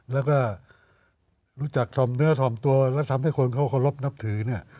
แล้วก็รู้จักทำเนื้อทำตัวแล้วทำให้คนเค้าควรรพนับถือนี่